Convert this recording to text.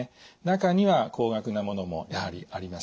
中には高額なものもやはりあります。